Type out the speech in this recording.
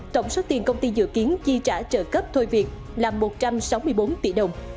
tổng số tiền công ty dự kiến chi trả trợ cấp thôi việc là một trăm sáu mươi bốn tỷ đồng